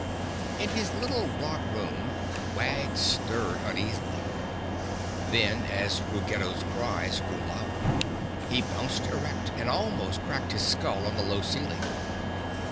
In his little rock room Wag stirred uneasily. Then, as Ruggedo's cries grew louder, he bounced erect and almost cracked his skull on the low ceiling.